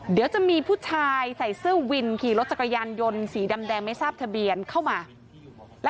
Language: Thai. เดี๋ยวจะมีผู้ชายใส่เสื้อวินขี่รถจักรยานยนต์สีดำแดงไม่ทราบทะเบียนเข้ามา